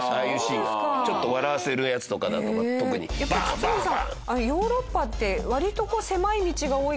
やっぱり堤さん。